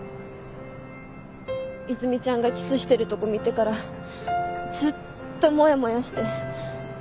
和泉ちゃんがキスしてるとこ見てからずっともやもやして。